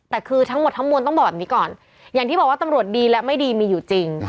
แต่คือทั้งหมดทั้งมวลต้องบอกแบบนี้ก่อนอย่างที่บอกว่าตำรวจดีและไม่ดีมีอยู่จริง